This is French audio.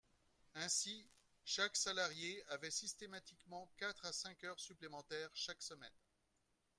Ainsi, chaque salarié avait systématiquement quatre à cinq heures supplémentaires chaque semaine.